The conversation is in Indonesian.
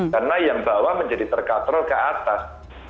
karena yang bawah menjadi terkaterol ke atas